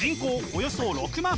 およそ６万。